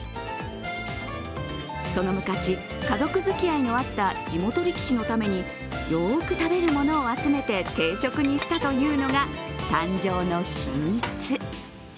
その昔、家族づきあいのあった地元力士のためによく食べるものを集めて定食にしたというのが誕生の秘密。